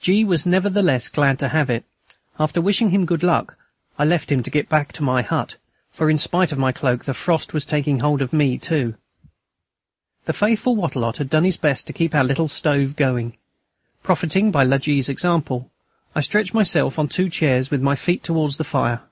G. was nevertheless glad to have it. After wishing him good luck, I left him to get back to my hut, for, in spite of my cloak, the frost was taking hold of me too. The faithful Wattrelot had done his best to keep our little stove going. Profiting by La G.'s example, I stretched myself on two chairs, with my feet towards the fire.